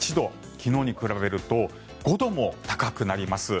昨日に比べると５度も高くなります。